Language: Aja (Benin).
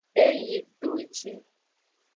E yi toji.